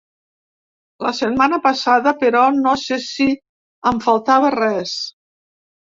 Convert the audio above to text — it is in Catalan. La setmana passada, però no se si em faltava res.